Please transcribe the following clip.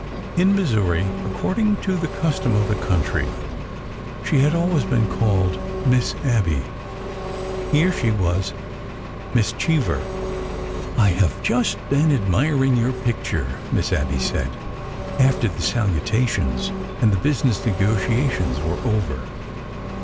In Missouri, according to the custom of the country, she had always been called " Miss Abby ''—here she was Miss Cheever." '' I have just been admiring your picture," Miss Abby said, after the salutations and the business negotiations were over.